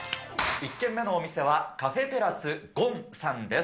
１軒目のお店は、カフェテラスごんさんです。